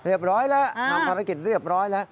ร้อยแล้วทำภารกิจเรียบร้อยแล้ว